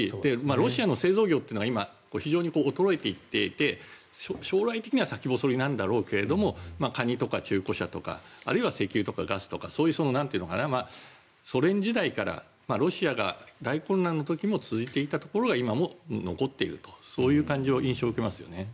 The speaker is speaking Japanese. ロシアの製造業が今、非常に衰えていっていて将来的には先細りなんだろうけどカニとか中古車とかあるいは石油とかガスとかそういう、ソ連時代からロシアが大混乱の時も続いていたところが今も残っているというそういう感じの印象を受けますよね。